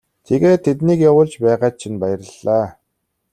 Тэгээд тэднийг явуулж байгаад чинь баярлалаа.